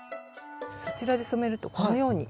そちらで染めるとこのように。